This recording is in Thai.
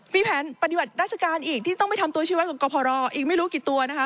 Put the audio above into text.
มีแผนปฏิบัติราชการอีกที่ต้องไปทำตัวชีวะกับกรพรอีกไม่รู้กี่ตัวนะคะ